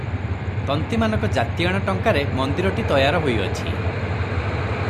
ତନ୍ତୀମାନଙ୍କ ଜାତିଆଣ ଟଙ୍କାରେ ମନ୍ଦିରଟି ତୟାର ହୋଇଅଛି ।